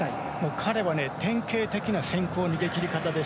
彼は典型的な先行逃げ切り方です。